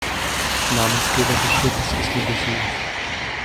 Namensgeber des Schiffes ist der Vesuv.